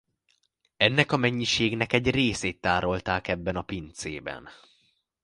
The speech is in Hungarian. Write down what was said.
Ennek a mennyiségnek egy részét tárolták ebben a pincében.